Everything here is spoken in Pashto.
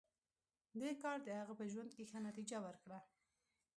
دې کار د هغه په ژوند کې ښه نتېجه ورکړه